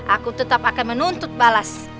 aku tetap akan menuntut balas